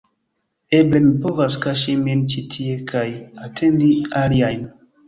Eble, mi povas kaŝi min ĉi tie kaj atendi aliajn